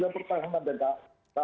yang pertanggung jawab